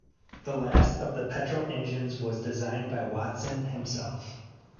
The last of the petrol engines was designed by Watson himself.